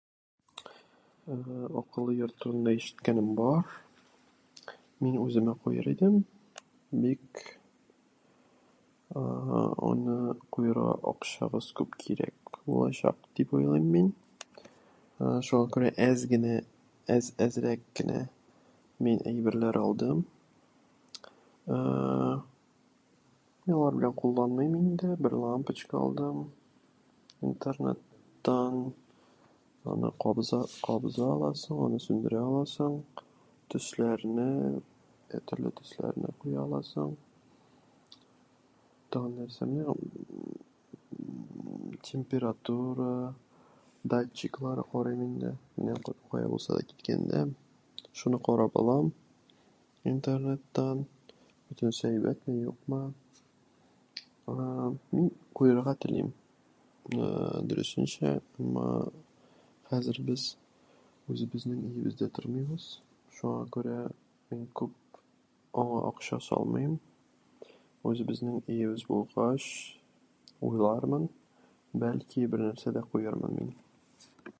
Акыллы йорт турында ишеткәнем бар. Мин үземә куяр идем. Бик... ә-ә-ә аны куярга акчабыз күп кирәк булачак, дип уйлыйм мин. Шуңа күрә, әз генә, әз, әзрәк кенә мин әйберләр алдым. Ә-ә-ә, алар белән кулланмыйм инде. Бер лампочка алдым... интернеттан. Аңа кабыза- кабыза аласың, аңа сүндерә аласың. Төсләрне... ә-ә, төрле төсләрне куя аласың. Тагын нәрсә? Менә, м-м, температура, датчиклар карыйм инде. Менә кар- кая булса да киткәндә, шуны карый алам... интернеттан. Бөтенесе әйбәтме-юкмы? А-а, мин куярга телим, ә-ә, дөресенчә, әмма, хәзер без үзебезнең өебездә тормыйбыз. Шуңа күрә мин күп аңа акча салмыйм, үзебезнең өебез алгач, уйлармын, бәлки бернәрсә дә куярмын мин.